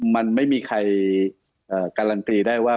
มันไม่มีใครการันตีได้ว่า